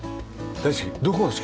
大好き？